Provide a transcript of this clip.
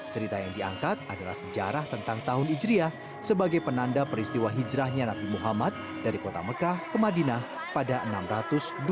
cerita yang diangkat adalah sejarah tentang tahun hijriah sebagai penanda peristiwa hijrahnya nabi muhammad dari kota mekah ke madinah pada enam ratus dua belas